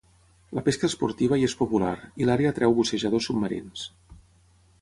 La pesca esportiva hi és popular, i l'àrea atreu bussejadors submarins.